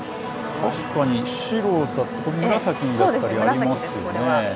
確かに白だったり、紫だったりありますね。